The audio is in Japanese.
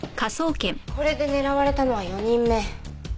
これで狙われたのは４人目。